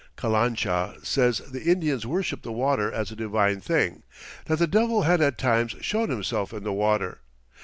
Calancha says the Indians worshiped the water as a divine thing, that the Devil had at times shown himself in the water.